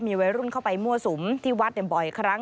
วัยรุ่นเข้าไปมั่วสุมที่วัดบ่อยครั้ง